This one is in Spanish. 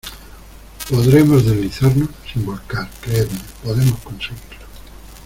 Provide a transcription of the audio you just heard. podremos deslizarnos sin volcar, creedme , podemos conseguirlo.